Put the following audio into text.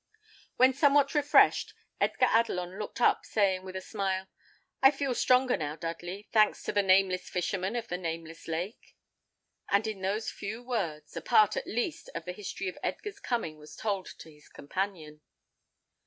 When somewhat refreshed, Edgar Adelon looked up, saying with a smile, "I feel stronger how, Dudley, thanks to the Nameless Fisherman of the Nameless Lake." And in those few words, a part, at least, of the history of Edgar's coming was told to his companion.